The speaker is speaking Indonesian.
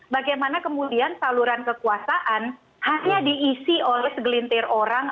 bagaimana kemudian saluran kekuasaan hanya diisi oleh segelintir orang